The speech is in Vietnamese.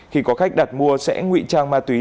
khi có khách đặt mua sẽ ngụy trang ma túy